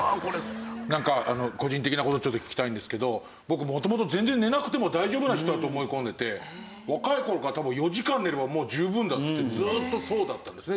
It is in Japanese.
なんか個人的な事聞きたいんですけど僕元々全然寝なくても大丈夫な人だと思い込んでて若い頃から多分４時間寝れば十分だっていってずーっとそうだったんですね。